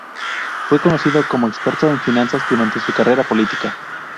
Fue conocido como experto en finanzas durante su carrera política.